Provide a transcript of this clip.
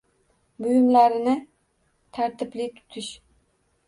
Buyumlarini tartibli tutish.